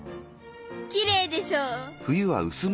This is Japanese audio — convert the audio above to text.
きれいでしょう！？